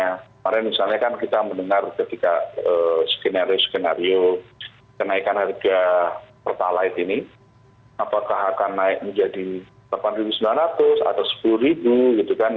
kemarin misalnya kan kita mendengar ketika skenario skenario kenaikan harga pertalite ini apakah akan naik menjadi rp delapan sembilan ratus atau rp sepuluh gitu kan